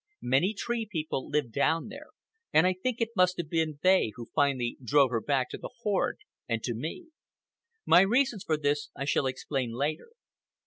Many Tree People lived down there, and I think it must have been they who finally drove her back to the horde and to me. My reasons for this I shall explain later.